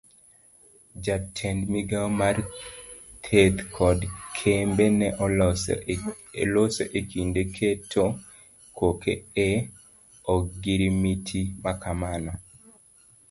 Jatend migawo mar theth kod kembe ne oloso ekinde keto koke e ogirimiti makamano.